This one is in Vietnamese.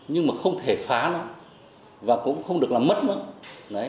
nhưng mà không thể phá nó và cũng không được làm mất nó